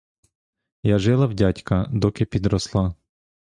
Я жила в дядька, доки підросла.